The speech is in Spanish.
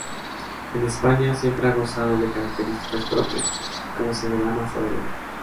En España siempre ha gozado de características propias, como se verá más adelante.